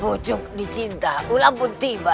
pujuk dicinta ulam pun tiba